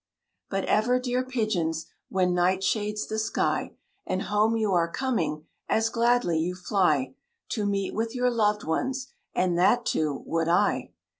But ever, dear pigeons, When night shades the sky And home you are coming, As gladly you fly To meet with your loved ones; And that, too, would I!